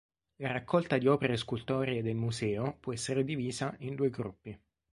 La raccolta di opere scultoree del Museo può essere divisa in due gruppi.